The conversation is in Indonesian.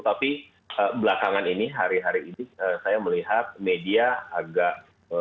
tapi belakangan ini hari hari ini saya melihat media agak